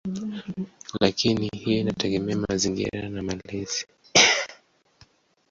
Lakini hiyo inategemea mazingira na malezi.